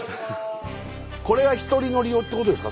これが１人乗り用ってことですか？